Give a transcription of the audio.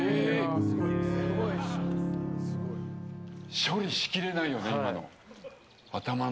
処理しきれないよね、今の。